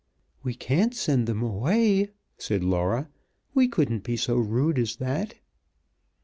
"We can't send them away," said Laura. "We couldn't be so rude as that."